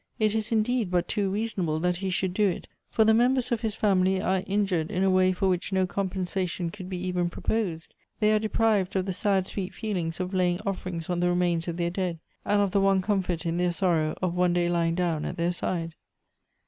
It is, indeed, but too reasonable that he should do it, for the members of his family are injured in a way for which no compen sation could be even proposed. They are deprived of the sad sweet feelings of laying offerings on the remains of their dead, and of the one comfort in their sorrow of one day lying down at their side."